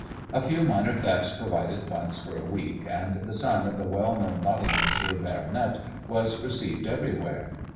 A few minor thefts provided funds for a week, and the son of the well known Nottinghamshire baronet was received everywhere.